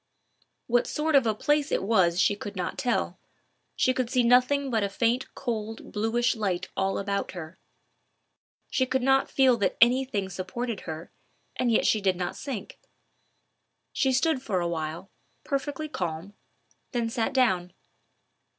What sort of a place it was she could not tell. She could see nothing but a faint cold bluish light all about her. She could not feel that any thing supported her, and yet she did not sink. She stood for a while, perfectly calm, then sat down.